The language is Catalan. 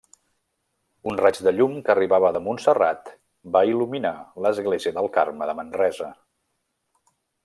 Un raig de llum que arribava de Montserrat va il·luminar l'església del Carme de Manresa.